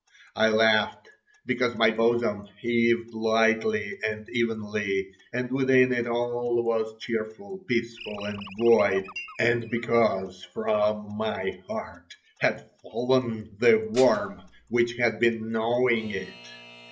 I laughed because my bosom heaved lightly and evenly, and within it all was cheerful, peaceful, and void, and because from my heart had fallen the worm which had been gnawing it.